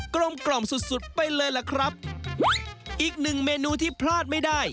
ลมกล่อมสุดสุดไปเลยล่ะครับอีกหนึ่งเมนูที่พลาดไม่ได้